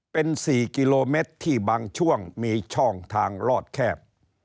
เป็น๔กิโลเมตรที่บางช่วงมีช่องทางลอดแคบ